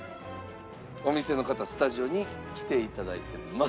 お店の方スタジオに来ていただいてます。